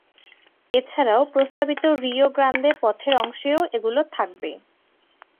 এছাড়াও প্রস্তাবিত Rio Grande পথের অংশেও এগুলো থাকবে।